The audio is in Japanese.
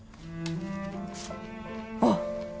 あっ！